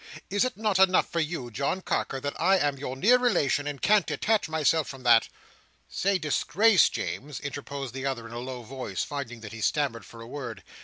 Is it not enough for you, John Carker, that I am your near relation, and can't detach myself from that—" "Say disgrace, James," interposed the other in a low voice, finding that he stammered for a word.